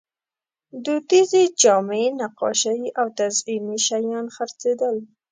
دودیزې جامې، نقاشۍ او تزییني شیان خرڅېدل.